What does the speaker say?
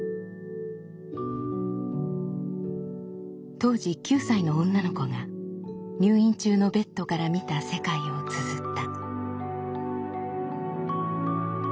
当時９歳の女の子が入院中のベッドから見た世界をつづった。